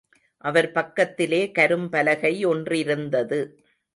அவர் பக்கத்திலே கரும்பலகை ஒன்றிருத்தது.